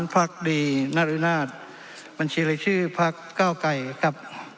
ภาคดีนรินาศบรรชิริชื่อภาคเก้าไก่ครับ